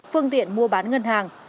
phương tiện mua bán ngân hàng